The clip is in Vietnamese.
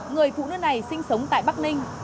người phụ nữ này sinh sống tại bắc ninh